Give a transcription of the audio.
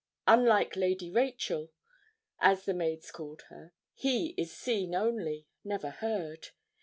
Unlike 'Lady Rachel,' as the maids called her, he is seen only, never heard.